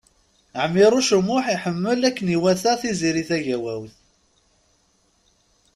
Ɛmiṛuc U Muḥ iḥemmel akken iwata Tiziri Tagawawt.